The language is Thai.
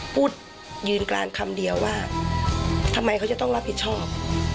พูดยืนกรานคำเดียวว่าทำไมเขาจะต้องรับผิดชอบ